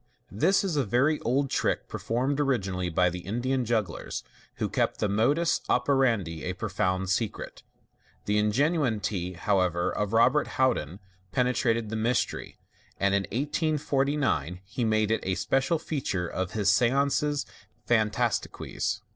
— This is a very old trick, performed originally by the Indian jugglers, who kept the modus operandi a pro found secret. The ingenuity, however, of Robert Houdin penetrated the mystery, and in 1849 he made it a special feature of his seances fan* tastiques.